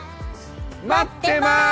待ってます！